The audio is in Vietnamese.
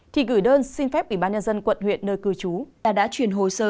thì gửi đơn xin phép ủy ban nhân dân quận huyện nơi cư trú ta đã chuyển hồ sơ